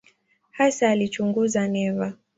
Hasa alichunguza neva.